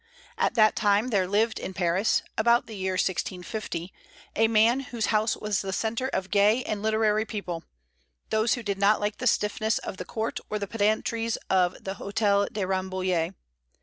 At that time there lived in Paris (about the year 1650) a man whose house was the centre of gay and literary people, those who did not like the stiffness of the court or the pedantries of the Hôtel de Rambouillet.